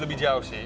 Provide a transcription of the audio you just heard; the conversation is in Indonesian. lebih jauh sih